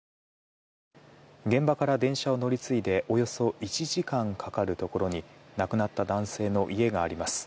現場から電車を乗り継いでおよそ１時間かかるところに亡くなった男性の家があります。